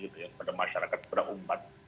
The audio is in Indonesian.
kepada masyarakat kepada umat